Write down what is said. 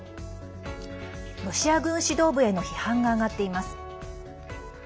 ロシア軍指導部への批判が上がっています。